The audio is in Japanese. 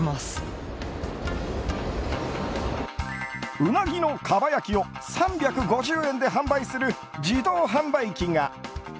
うなぎのかば焼きを３５０円で販売する自動販売機が。